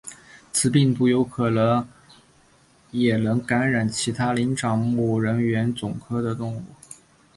此病毒有可能也能感染其他灵长目人猿总科的动物。